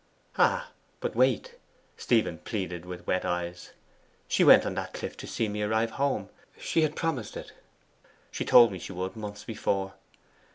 'Ah, but wait,' Stephen pleaded with wet eyes. 'She went on that cliff to see me arrive home: she had promised it. She told me she would months before.